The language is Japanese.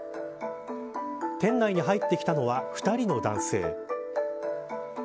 店内に入ってきたのは２人の男性。